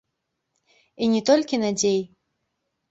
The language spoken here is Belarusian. І не толькі надзей!